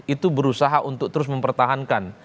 itu berusaha untuk terus mempertahankan